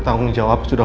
jangan kita mulai